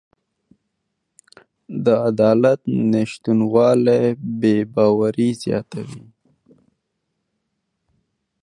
د عدالت نشتوالی بې باوري زیاتوي